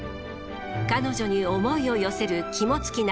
彼女に思いを寄せる肝付尚